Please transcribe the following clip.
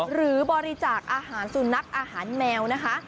หรือบริจาคอาหารสุนัขอาหารแมวนะคะ